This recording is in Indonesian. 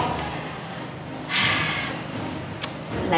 lagian kan ini cuman minuman